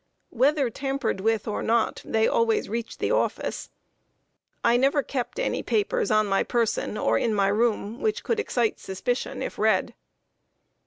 Whether tampered with or not, they always reached the office. I never kept any papers on my person, or in my room, which could excite suspicion, if read.